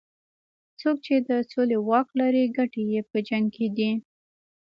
څوک چې د سولې واک لري ګټې یې په جنګ کې دي.